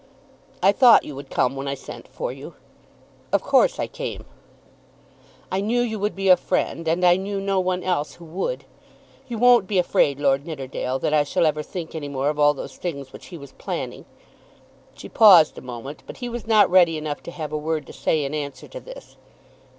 "I thought you would come when I sent for you." "Of course I came." "I knew you would be a friend, and I knew no one else who would. You won't be afraid, Lord Nidderdale, that I shall ever think any more of all those things which he was planning?" She paused a moment, but he was not ready enough to have a word to say in answer to this.